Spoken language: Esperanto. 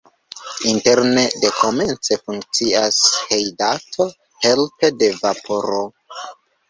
Interne dekomence funkcias hejtado helpe de vaporo.